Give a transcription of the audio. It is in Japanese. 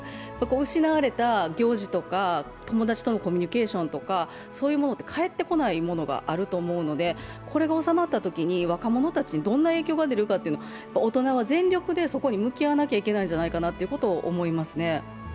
失われた行事とか友達とのコミュニケーションとかそういうものって返ってこないものがあると思うのでこれが収まったときに若者たちにどんな影響が出るか、大人は全力でそこに向き合わなきゃいけないんじゃないかなということを思いますね。